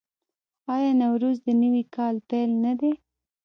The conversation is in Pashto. آیا نوروز د نوي کال پیل نه دی؟